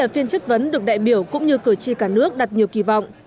phiên chất vấn được đại biểu cũng như cử tri cả nước đặt nhiều kỳ vọng